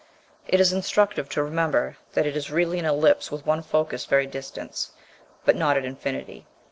It is instructive to remember that it is really an ellipse with one focus very distant, but not at infinity.